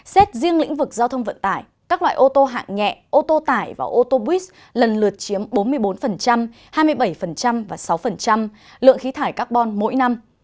xét riêng lĩnh vực giao thông vận tải các loại ô tô hạng nhẹ ô tô tải và ô tô buýt lần lượt chiếm bốn mươi bốn hai mươi bảy và sáu lượng khí thải carbon mỗi năm